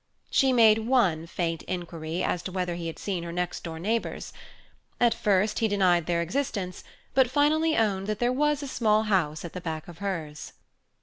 She made one faint inquiry as to whether he had seen her next door neighbours. At first he denied their existence, but finally owned that there was a small house at the back of hers.